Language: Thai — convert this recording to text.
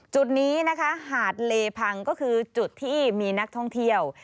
จุดนี้นะคะหาดเลพังก็คือจุดที่มีนักท่องเที่ยว